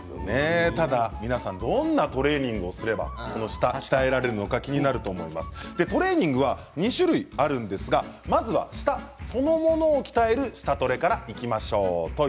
ただどんなトレーニングをすれば舌が鍛えられるのか気になると思いますがトレーニングに種類あるんですがまずは舌そのものを鍛える舌トレからいきましょう。